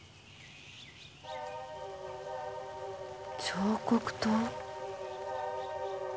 彫刻刀？